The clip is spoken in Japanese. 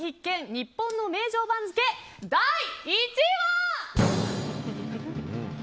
日本の名城番付第１位は。